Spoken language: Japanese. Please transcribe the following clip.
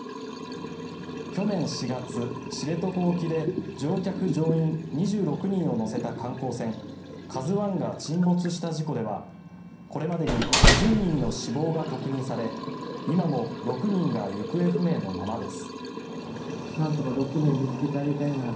去年４月、知床沖で乗客・乗員２６人を乗せた観光船「ＫＡＺＵ１」が沈没した事故ではこれまでに２０人の死亡が確認され今も６人が行方不明のままです。